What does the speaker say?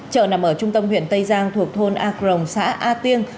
chợ nằm ở trung tâm huyện tây giang thuộc thôn a crong xã a tiêng